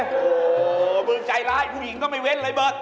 โอ้โหมึงใจร้ายผู้หญิงก็ไม่เว้นเลยเบิร์ต